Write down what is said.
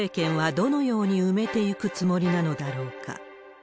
どのように埋めていくつもりなのだろうか。